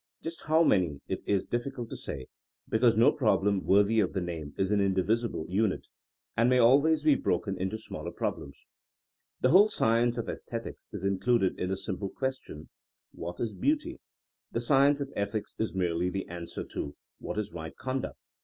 Just how many it is difficult to say, because no problem worthy of the name is an indivisible unit, and may always be broken into smaller problems. The whole THINKINO AS A SCIENCE 45 science of aesthetics is included in the simple question *'What is beauty f, the science of ethics is merely the answer to *'What is right conduct?